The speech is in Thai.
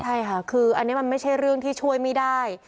ใช่ค่ะคืออันนี้มันไม่ใช่เรื่องที่ช่วยไม่ได้